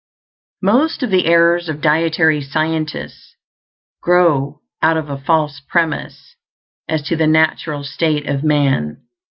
Most of the errors of dietary scientists grow out of a false premise as to the natural state of man.